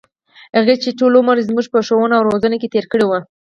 هغـې چـې ټـول عـمر يـې زمـوږ په ښـوونه او روزنـه کـې تېـر کـړى و.